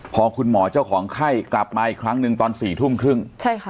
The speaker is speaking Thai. พอคุณหมอเจ้าของไข้กลับมาอีกครั้งหนึ่งตอน๔ทุ่มครึ่ง